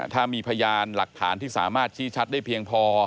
ถ้ามีพยานหลักฐานที่สามารถชี้ชัดได้เพียงพอ